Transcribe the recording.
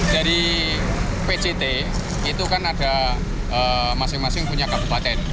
dari pct itu kan ada masing masing punya kabupaten